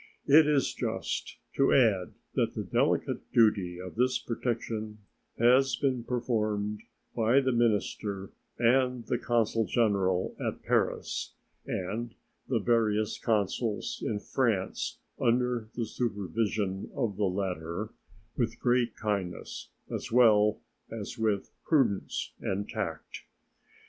It is just to add that the delicate duty of this protection has been performed by the minister and the consul general at Paris, and the various consuls in France under the supervision of the latter, with great kindness as well as with prudence and tact.